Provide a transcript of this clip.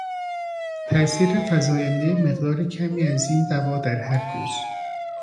تاثیر فزایندهی مقدار کمی از این دوا در هر روز